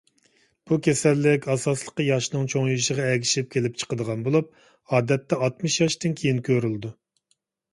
بۇ كېسەللىك ئاساسلىقى ياشنىڭ چوڭىيىشىغا ئەگىشىپ كېلىپ چىقىدىغان بولۇپ، ئادەتتە ئاتمىش ياشتىن كېيىن كۆرۈلىدۇ.